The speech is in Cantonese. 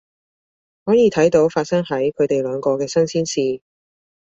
可以睇到發生喺佢哋兩個嘅新鮮事